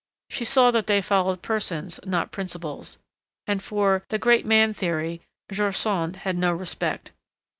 She saw that they followed persons not principles, and for 'the great man theory' George Sand had no respect.